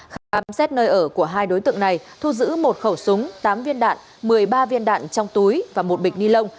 khám xét nơi ở của hai đối tượng này thu giữ một khẩu súng tám viên đạn một mươi ba viên đạn trong túi và một bịch ni lông